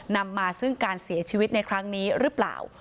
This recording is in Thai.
นำมาซึ่งการเสียชีวิตในครั้งนี้หรือเปล่า